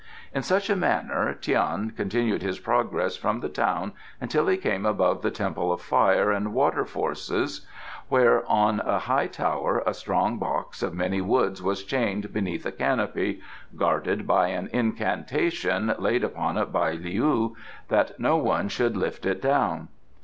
In such a manner Tian continued his progress from the town until he came above the Temple of Fire and Water Forces, where on a high tower a strong box of many woods was chained beneath a canopy, guarded by an incantation laid upon it by Leou, that no one should lift it down.